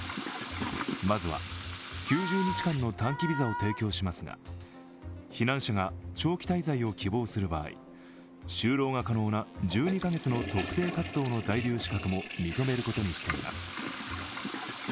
まずは９０日間の短期ビザを提供しますが、避難者が長期滞在を希望する場合就労が可能な１２カ月の特定活動の在留資格も認めることにしています。